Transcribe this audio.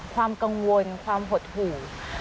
ความกังวลความหดหู่